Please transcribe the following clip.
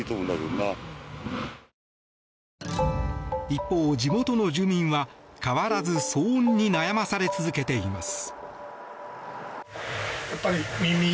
一方、地元の住民は変わらず騒音に悩まされ続けています。